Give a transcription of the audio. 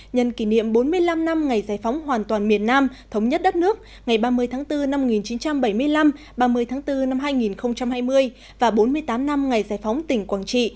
nhân kỷ niệm bốn mươi năm năm ngày giải phóng hoàn toàn miền nam thống nhất đất nước ngày ba mươi tháng bốn năm một nghìn chín trăm bảy mươi năm ba mươi tháng bốn năm hai nghìn hai mươi và bốn mươi tám năm ngày giải phóng tỉnh quảng trị